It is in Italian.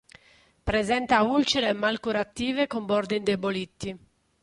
Presenta ulcere mal curative con bordi indeboliti.